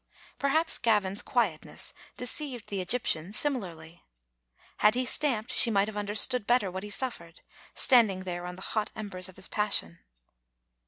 Perhaps Gavin's quietness de ceived the Egyptian similarly. Had he stamped, she might have understood better what he suffered, stand ing there on the hot embers of his passion.